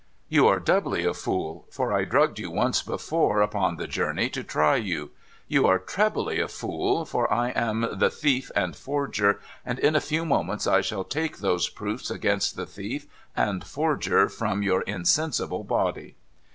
You are doubly a fool, for I drugged you once before upon the journey, to try you. You are trebly a fool, for I am the thief and forger, and in a few moments I shall take those proofs against the thief and forger from your insensible body.'